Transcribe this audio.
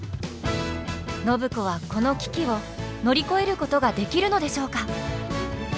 暢子はこの危機を乗り越えることができるのでしょうか。